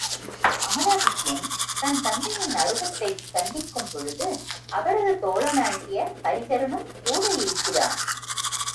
அமலாதித்யன் தன் தந்தையின் அருவத்தைச் சந்திக்கும்பொழுது அவரது தோழனாகிய ஹரிஹரனும் கூட இருக்கிறான்.